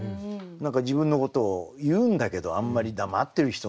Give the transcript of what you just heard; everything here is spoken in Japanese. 何か自分のことを言うんだけどあんまり黙ってる人なんで。